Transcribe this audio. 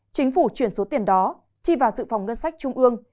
chính phủ chuyển số tiền đó chi vào dự phòng ngân sách trung ương